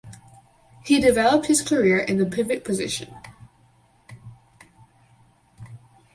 He developed his career in the pivot position.